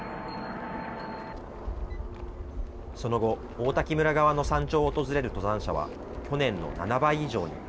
その後、王滝村側の山頂を訪れる登山者は、去年の７倍以上に。